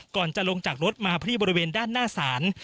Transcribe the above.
ก่อนจะลงจากรถมาที่บริเวณด้านหน้าศาล